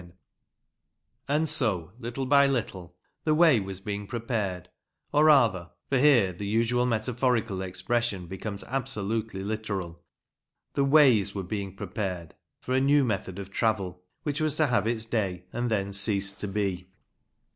OLD TIME TRAVEL IN LANCASHIRE 77 And so, little by little, the way was being prepared, or, rather for here the usual metaphorical expression becomes absolutely literal the ways were being prepared for a new method of travel, which was to have its day and then cease to be.